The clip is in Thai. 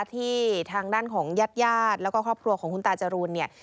ที่ทางด้านของญาติญาติแล้วก็ครอบครัวของคุณตาจรูนเนี่ย